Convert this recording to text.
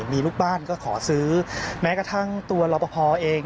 มีลูกบ้านก็ขอซื้อแม้กระทั่งตัวรอปภเอง